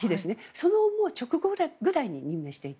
その直後くらいに任命していて。